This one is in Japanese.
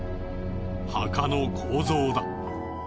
墓の構造だ。